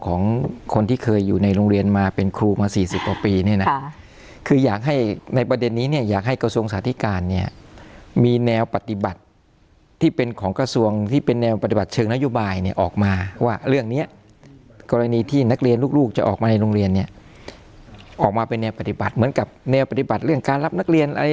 ของคนที่เคยอยู่ในโรงเรียนมาเป็นครูมาสี่สิบกว่าปีเนี่ยนะคืออยากให้ในประเด็นนี้เนี่ยอยากให้กระทรวงสาธิการเนี่ยมีแนวปฏิบัติที่เป็นของกระทรวงที่เป็นแนวปฏิบัติเชิงนโยบายเนี่ยออกมาว่าเรื่องนี้กรณีที่นักเรียนลูกจะออกมาในโรงเรียนเนี่ยออกมาเป็นแนวปฏิบัติเหมือนกับแนวปฏิบัติเรื่องการรับนักเรียนอะไร